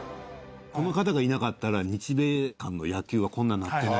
この方がいなかったら、日米間の野球はこんなになってない。